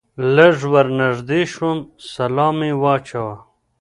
لږ ور نږدې شوم سلام مې واچاوه.